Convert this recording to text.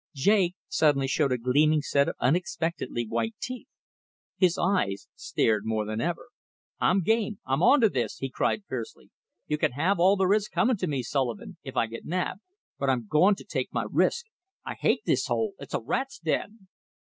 Jake suddenly showed a gleaming set of unexpectedly white teeth. His eyes stared more than ever. "I'm game! I'm on to this," he cried fiercely. "You can have all there is coming to me, Sullivan, if I get nabbed, but I'm going to take my risk. I hate this hole! It's a rat's den."